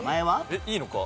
えっいいのか？